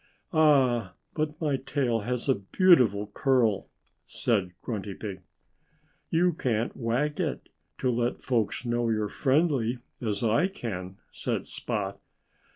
"Ah! But my tail has a beautiful curl!" said Grunty Pig. "You can't wag it, to let folks know you're friendly, as I can," said Spot.